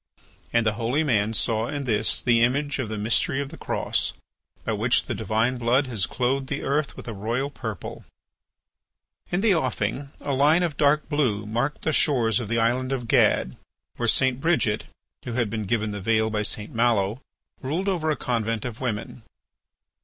And the holy man saw in this the image of the mystery of the Cross, by which the divine blood has clothed the earth with a royal purple. In the offing a line of dark blue marked the shores of the island of Gad, where St. Bridget, who had been given the veil by St. Malo, ruled over a convent of women.